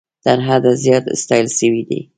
تر حد زیات ستایل سوي دي.